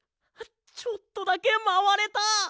ちょっとだけまわれた！